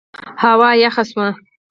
هوا سړه شوه.